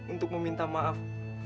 untuk meminta maaf